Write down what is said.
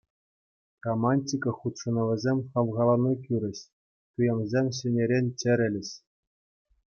Романтика хутшӑнӑвӗсем хавхалану кӳрӗҫ, туйӑмсем ҫӗнӗрен чӗрӗлӗҫ.